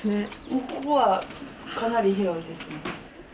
ここはかなり広いですね。